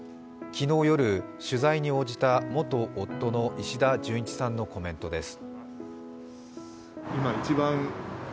昨日夜、取材に応じた元夫の石田純一さんのコメントです。